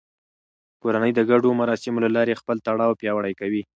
کورنۍ د ګډو مراسمو له لارې خپل تړاو پیاوړی کوي